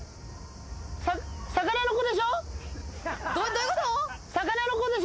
どういうこと？